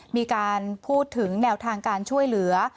มีการพูดถึงแนวทางการช่วยเหลือ